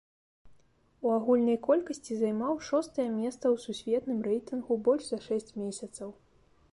У агульнай колькасці займаў шостае месца ў сусветным рэйтынгу больш за шэсць месяцаў.